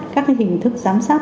các hình thức giám sát